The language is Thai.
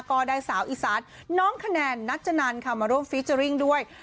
ก็ได้สาวอีสานน้องคะแนนนัชนันค่ะมาร่วมฟีเจอร์ริ่งด้วย